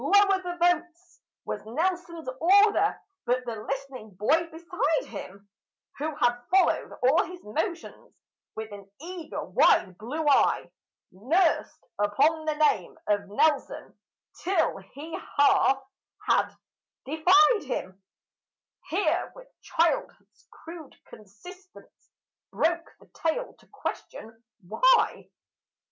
"'Lower the boats!' was Nelson's order." But the listening boy beside him, Who had followed all his motions with an eager wide blue eye, Nursed upon the name of Nelson till he half had deified him, Here, with childhood's crude consistence, broke the tale to question "Why?"